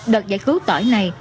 đợt giải cứu tỏi này